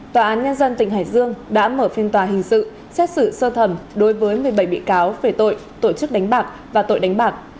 tòa án nhân dân tỉnh hải dương đã mở phiên tòa hình sự xét xử sơ thẩm đối với một mươi bảy bị cáo về tội tổ chức đánh bạc và tội đánh bạc